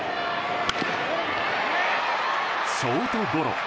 ショートゴロ。